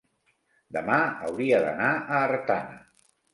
Demà hauria d'anar a Artana.